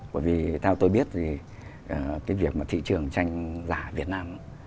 bởi vì theo tôi biết thì cái việc mà thị trường tranh giả việt nam